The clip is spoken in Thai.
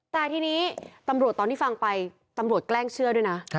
แต่ทีนี้ตำรวจตอนที่ฟังไปตำรวจแกล้งเชื่อด้วยนะ